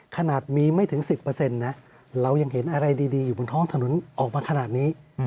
ขนาดมีไม่ถึง๑๐นะเรายังเห็นอะไรดีอยู่บนท้องถนนออกมาขนาดนี้